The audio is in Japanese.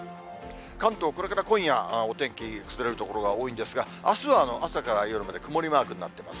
関東、これから今夜、お天気崩れる所が多いんですが、あすは朝から夜まで曇りマークになってます。